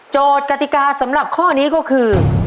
กติกาสำหรับข้อนี้ก็คือ